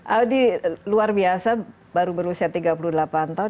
audi luar biasa baru berusia tiga puluh delapan tahun